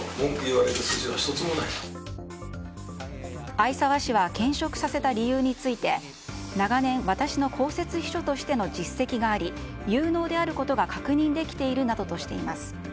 逢沢氏は兼職させた理由について長年、私の公設秘書としての実績があり有能であることが確認できているなどとしています。